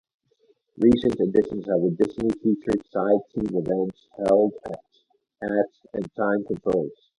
Recent editions have additionally featured side team events held at and time controls.